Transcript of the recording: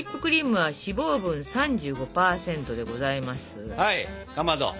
はいかまど！